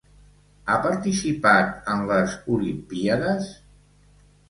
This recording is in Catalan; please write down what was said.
Ha participat en les Olimpíades?